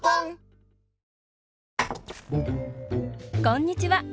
こんにちは！